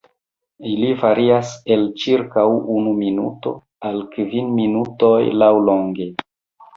Ili varias el ĉirkaŭ unu minuto al kvin minutoj laŭlonge.